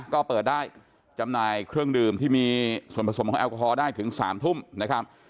ก็เปิดได้จำหน่ายเครื่องดื่มที่มีส่วนผสมของแอลกอฮอลได้ถึง๓ทุ่มนะครับ